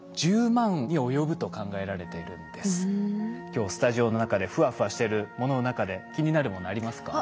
今日スタジオの中でフワフワしてるものの中で気になるものありますか？